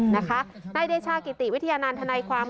นายเดชากิติวิทยานันทนายความ